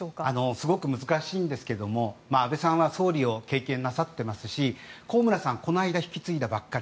すごく難しいんですが安倍さんは総理を経験なさっていますし高村さんはこの前引き継いだばかり。